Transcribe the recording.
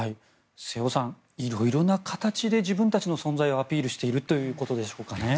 瀬尾さん色々な形で自分たちの存在をアピールしているということでしょうかね。